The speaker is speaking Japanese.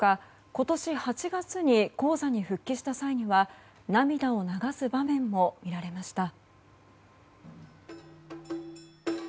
今年８月に高座に復帰した際には涙を流す場面も見られました。